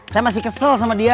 saya masih kesel sama dia